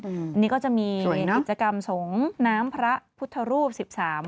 อันนี้ก็จะมีกิจกรรมสงน้ำพระพุทธรูปสิบสาม